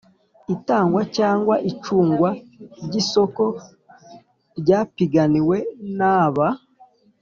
Itangwa cyangwa icungwa ry isoko ryapiganiwe n aba